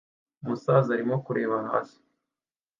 Umusaza arimo kureba hasi